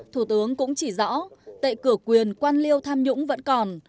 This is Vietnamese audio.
thủ tướng cũng chỉ rõ tệ cửa quyền quan liêu tham nhũng vẫn còn